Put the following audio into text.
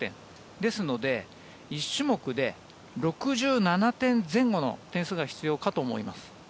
ですので、１種目で６７点前後の点数が必要かと思います。